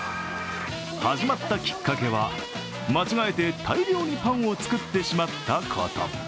始まったきっかけは、間違えて大量にパンを作ってしまったこと。